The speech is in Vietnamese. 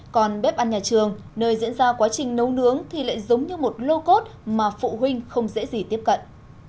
còn bếp ăn nhà trường nơi diễn ra quá trình nấu nướng thì lại giống như một lô cốt mà phụ huynh không dễ gì tiếp cận